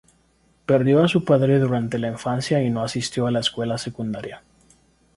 Perdió a su padre durante la infancia y no asistió a la escuela secundaria.